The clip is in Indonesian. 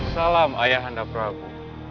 salam ayahanda prabu